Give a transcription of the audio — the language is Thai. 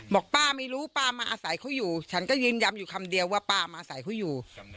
บอกป้าไม่รู้ป้ามาอาศัยเขาอยู่ฉันก็ยืนยันอยู่คำเดียวว่าป้ามาอาศัยเขาอยู่